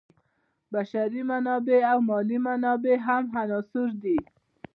بشري منابع او مالي منابع هم عناصر دي.